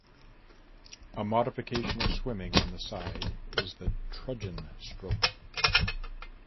A modification of swimming on the side is the Trudgen stroke.